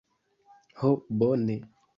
Ho bone!